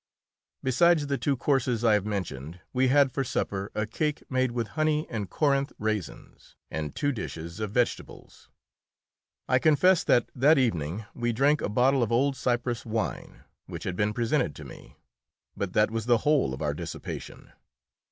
Besides the two courses I have mentioned, we had for supper a cake made with honey and Corinth raisins, and two dishes of vegetables. I confess that that evening we drank a bottle of old Cyprus wine, which had been presented to me. But that was the whole of our dissipation.